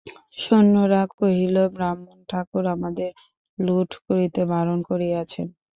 সৈন্যেরা কহিল, ব্রাহ্মণ-ঠাকুর আমাদের লুঠ করিতে বারণ করিয়াছেন।